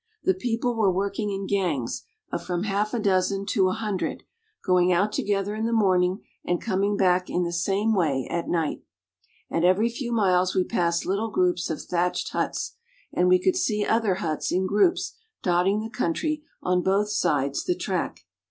The people were working in gangs of from half a dozen to a hundred, going out together in the morning, and coming back in the same way at night. At every few miles we passed little groups of thatched huts, and we could see other huts in groups dotting the country on both sides the track.